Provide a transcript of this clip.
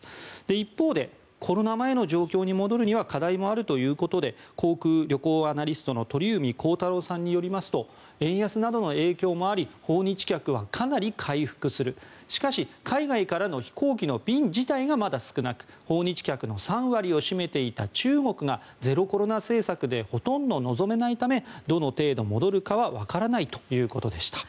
一方でコロナ前の状況に戻るには課題もあるということで航空・旅行アナリストの鳥海高太朗さんによりますと円安などの影響もあり訪日客はかなり回復するしかし海外からの飛行機の便自体がまだ少なく訪日客の３割を占めていた中国がゼロコロナ政策でほとんど望めないためどの程度戻るかはわからないということでした。